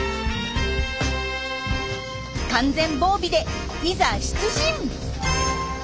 完全防備でいざ出陣！